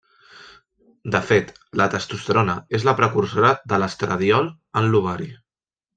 De fet, la testosterona és la precursora de l'estradiol en l'ovari.